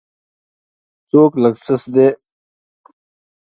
څوک لږ سست دی.